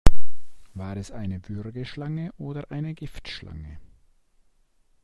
War es eine Würgeschlange oder eine Giftschlange?